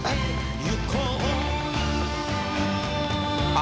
あ！